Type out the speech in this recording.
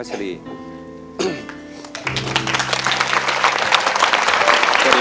เชิญครับคุณพัชรี